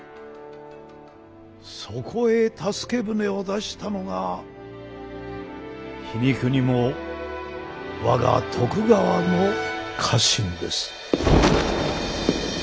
そこへ助け船を出したのが皮肉にも我が徳川の家臣です。